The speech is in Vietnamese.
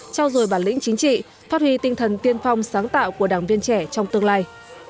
trao dồi bản lĩnh chính trị phát huy tinh thần tiên phong sáng tạo của đảng viên trẻ trong tương lai